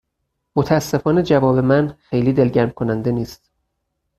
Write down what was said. متاسفانه جواب من خیلی دلگرم کننده نیست.